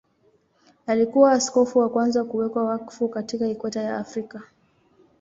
Alikuwa askofu wa kwanza kuwekwa wakfu katika Ikweta ya Afrika.